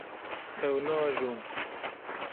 Ew naajon.